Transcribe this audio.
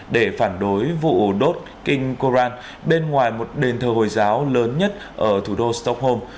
để phản đối vụ đốt kinh koran bên ngoài một đền thờ hồi giáo lớn nhất ở thủ đô stockholm